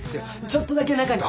ちょっとだけ中に。